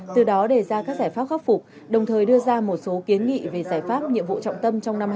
từ đó đề ra các giải pháp khắc phục đồng thời đưa ra một số kiến nghị về giải pháp nhiệm vụ trọng tâm trong năm hai nghìn hai mươi